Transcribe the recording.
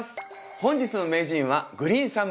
本日の名人はグリーンサム